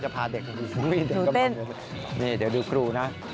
จะพาเด็กกันดีกว่านี่เดี๋ยวดูครูนะครับหนูเต้น